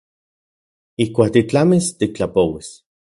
Ijkuak titlamis tiktlapouis.